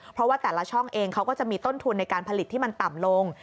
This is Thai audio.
เพราะว่าแต่ละช่องเองเขาก็จะมีต้นทุนในการผลิตที่มันต่ำลง